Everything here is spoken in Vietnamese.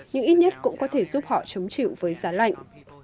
nhưng ít nhất cũng có thể giúp họ chống chịu với giá lạnh